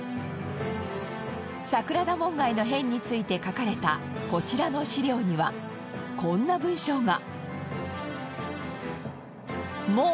桜田門外の変について書かれたこちらの史料にはこんな文章が。